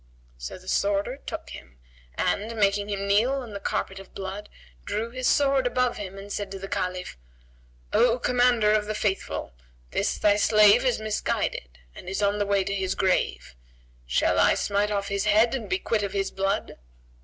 So the sworder took him and, making him kneel on the carpet of blood, drew his sword above him and said to the Caliph, "O Commander of the Faithful, this thy slave is misguided and is on the way to his grave; shall I smite off his head and be quit of his blood?"